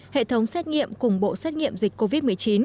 hệ thống xét nghiệm cùng bộ xét nghiệm dịch covid một mươi chín